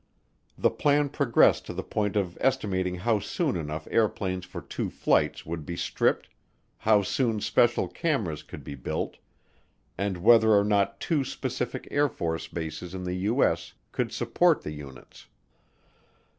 The plan progressed to the point of estimating how soon enough airplanes for two flights could be stripped, how soon special cameras could be built, and whether or not two specific Air Force bases in the U.S. could support the units.